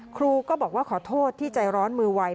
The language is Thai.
ครูก็บอกว่าขอโทษที่ใจร้อนมือไว